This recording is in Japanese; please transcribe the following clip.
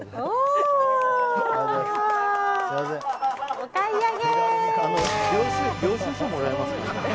お買い上げ！